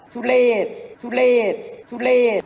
สุเรศทุเลศทุเลศ